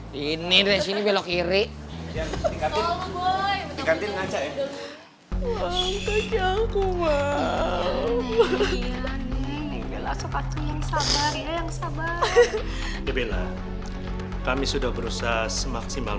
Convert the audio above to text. di ini dari sini belok kiri